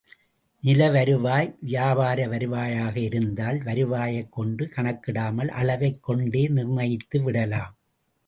நிலவருவாய், வியாபார வருவாயாக இருந்தால் வருவாயைக் கொண்டு கணக்கிடாமல் அளவைக் கொண்டே நிர்ணயித்து விடலாம்.